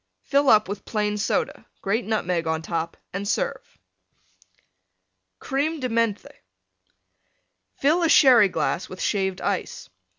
Fill up with Plain Soda; grate Nutmeg on top and serve. CREME DE MENTHE Fill a Sherry glass with Shaved Ice.